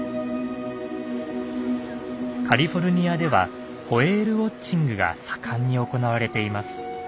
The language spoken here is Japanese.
カリフォルニアではホエールウォッチングが盛んに行われています。